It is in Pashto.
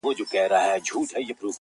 چي پکي روح نُور سي، چي پکي وژاړي ډېر.